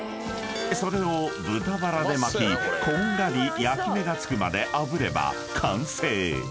［それを豚バラで巻きこんがり焼き目が付くまであぶれば完成］